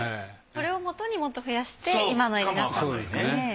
これをもとにもっと増やして今の絵になったんですかね。